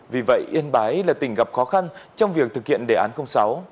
vì vậy yên bái là tỉnh gặp khó khăn trong việc thực hiện đề án sáu